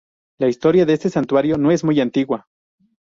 La historia de este santuario no es muy antigua.